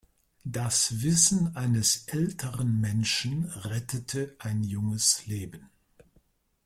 Das Wissen eines älteren Menschen rettete ein junges Leben.